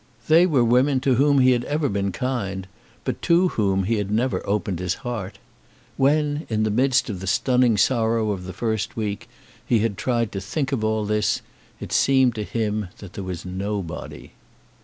They were women to whom he had ever been kind, but to whom he had never opened his heart. When, in the midst of the stunning sorrow of the first week, he tried to think of all this, it seemed to him that there was nobody.